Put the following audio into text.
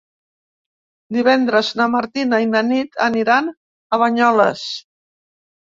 Divendres na Martina i na Nit aniran a Banyoles.